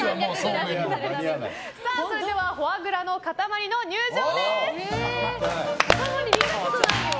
それではフォアグラの塊の入場です！